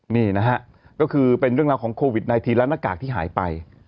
นี่นะฮะก็คือเป็นเรื่องราวของโควิด๑๙และหน้ากากที่หายไป